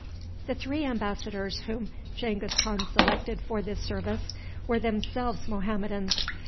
The three embassadors whom Genghis Khan selected for this service were themselves Mohammedans.